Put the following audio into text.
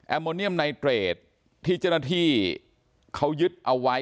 โมเนียมไนเตรดที่เจ้าหน้าที่เขายึดเอาไว้